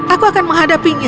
aku akan menghadapinya